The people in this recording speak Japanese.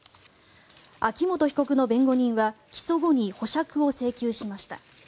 秋本被告の弁護人は起訴後に保釈を請求しました。